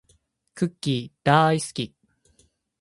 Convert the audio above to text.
クッキーだーいすき